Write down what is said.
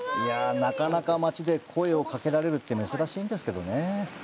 なかなか町で声かけられること珍しいんですけどね。